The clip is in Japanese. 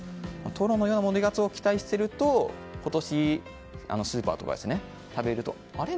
トロのような戻りガツオを期待していると今年はスーパーとかで食べるとあれ？